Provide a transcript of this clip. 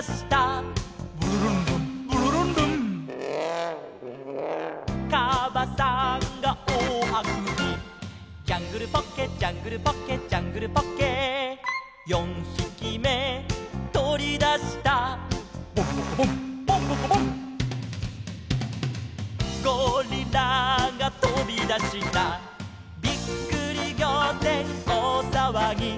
「ブルルンルンブルルンルン」「かばさんがおおあくび」「ジャングルポッケジャングルポッケ」「ジャングルポッケ」「四ひきめとり出した」「ボンボコボンボンボコボン」「ゴリラがとび出した」「びっくりぎょうてんおおさわぎ」